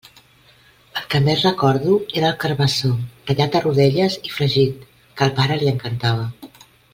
El que més recordo era el carabassó tallat a rodelles i fregit, que al pare li encantava.